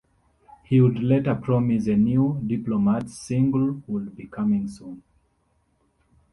He would later promise a new Diplomats single would be coming soon.